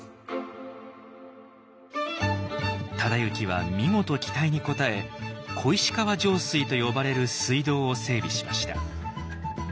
忠行は見事期待に応え「小石川上水」と呼ばれる水道を整備しました。